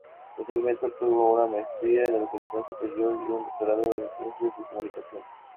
Posteriormente obtuvo una maestría en educación superior y un doctorado en ciencias y comunicaciones.